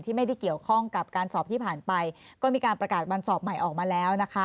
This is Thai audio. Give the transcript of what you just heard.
ไม่ได้เกี่ยวข้องกับการสอบที่ผ่านไปก็มีการประกาศวันสอบใหม่ออกมาแล้วนะคะ